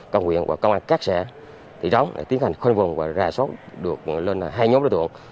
các huyện và công an các xã thị trấn tiến hành khuân vùng và rà sót được lên hai nhóm đối tượng